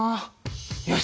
よし。